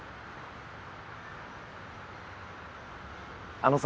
あのさ。